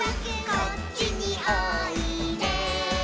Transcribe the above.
「こっちにおいで」